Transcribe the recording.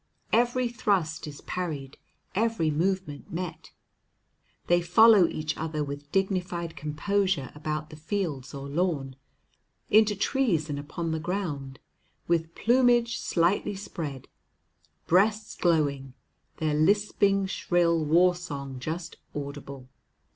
Every thrust is parried, every movement met. They follow each other with dignified composure about the fields or lawn, into trees and upon the ground, with plumage slightly spread, breasts glowing, their lisping, shrill war song just audible.